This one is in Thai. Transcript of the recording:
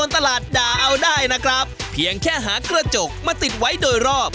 ตลาดด่าเอาได้นะครับเพียงแค่หากระจกมาติดไว้โดยรอบ